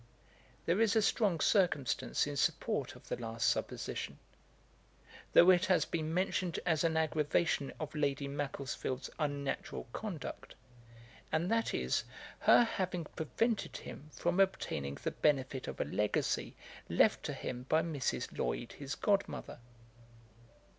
There is a strong circumstance in support of the last supposition, though it has been mentioned as an aggravation of Lady Macclesfield's unnatural conduct, and that is, her having prevented him from obtaining the benefit of a legacy left to him by Mrs. Lloyd his god mother.